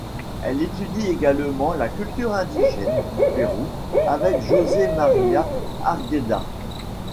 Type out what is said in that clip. Elle étudie également la culture indigène du Pérou avec José María Arguedas.